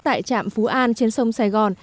tại trạm phú an trên sông sài gòn